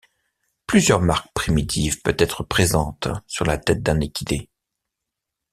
Plusieurs marques primitives peuvent être présentes sur la tête d'un équidé.